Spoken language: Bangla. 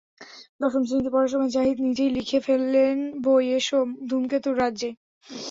দশম শ্রেণিতে পড়ার সময় জাহিদ নিজেই লিখে ফেলেন বই—এসো ধূমকেতুর রাজ্যে।